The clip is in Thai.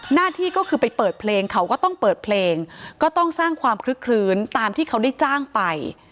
หน้าที่ก็คือไปเปิดเพลงเขาก็ต้องเปิดเพลงก็ต้องสร้างความคลึกคลื้นตามที่เขาได้จ้างไป